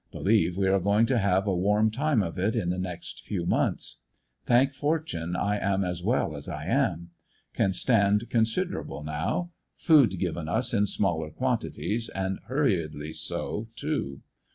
Believe we are going to have a warm time of it m the next few months. Thank fortune I am as well as I am. Can stand considerable now. Food given us in smaller quantities, and hurriedly so too.